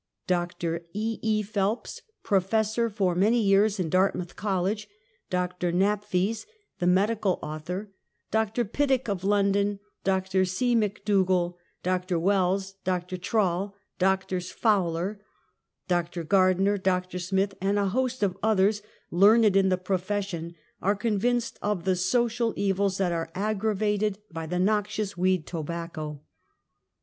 Dr. E. E. Phelps, Professor for many years in Dartmouth College ; Dr. ^N'apheys, the medi cal author ; Dr. Pidduck of London ; Dr. C. McDougal, Dr. Wells, Dr. Trail, Drs. Fowler, Dr. Gardner, Dr. Smith, and a host of others learned in the profession,, are convinced of the social evils that are aggravated by the noxious weed — tobacco.